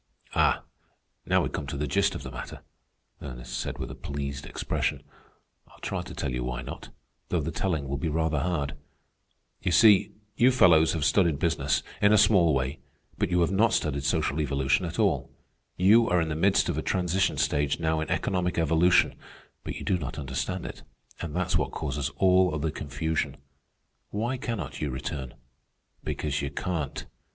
"Ah, now we come to the gist of the matter," Ernest said with a pleased expression. "I'll try to tell you why not, though the telling will be rather hard. You see, you fellows have studied business, in a small way, but you have not studied social evolution at all. You are in the midst of a transition stage now in economic evolution, but you do not understand it, and that's what causes all the confusion. Why cannot you return? Because you can't.